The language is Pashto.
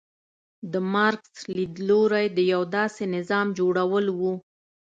د مارکس لیدلوری د یو داسې نظام جوړول و.